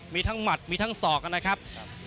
มีทั้งหมัดมีทั้งศอกนะครับ